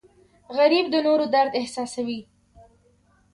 غریب د نورو درد احساسوي